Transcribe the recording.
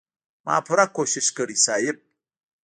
ما پوره کوشش کړی صيب.